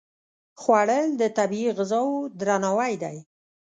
خوړل د طبیعي غذاو درناوی دی